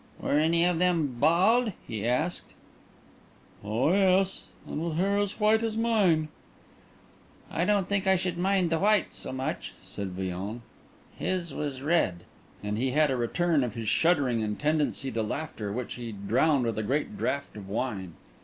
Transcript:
"Were any of them bald?" he asked. "Oh yes, and with hair as white as mine." "I don't think I should mind the white so much," said Villon. "His was red." And he had a return of his shuddering and tendency to laughter, which he drowned with a great draught of wine.